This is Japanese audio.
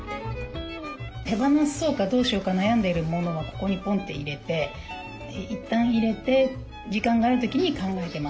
手放そうかどうしようか悩んでいるモノはここにポンって入れていったん入れて時間がある時に考えてます。